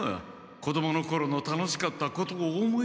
子どものころの楽しかったことを思い出す。